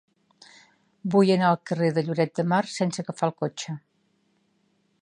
Vull anar al carrer de Lloret de Mar sense agafar el cotxe.